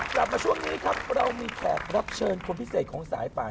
กลับมาช่วงนี้ครับเรามีแขกรับเชิญคนพิเศษของสายป่าน